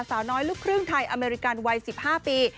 สาวน้อยลูกครึ่งไทยอเมริกันวัย๑๕ปี